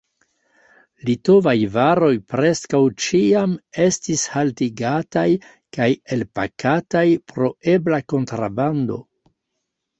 Litovaj varoj preskaŭ ĉiam estis haltigataj kaj elpakataj pro ebla kontrabando.